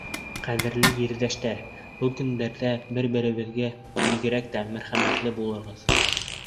Ҡәҙерле ерҙәштәр, был көндәрҙә бер-берегеҙгә бигерәк тә мәрхәмәтле булығыҙ.